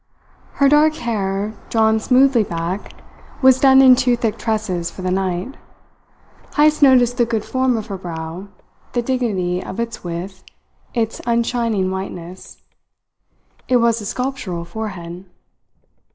Her dark hair, drawn smoothly back, was done in two thick tresses for the night. Heyst noticed the good form of her brow, the dignity of its width, its unshining whiteness. It was a sculptural forehead.